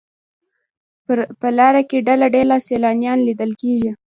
په لاره کې ډله ډله سیلانیان لیدل کېږي.